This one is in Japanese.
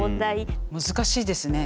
難しいですね。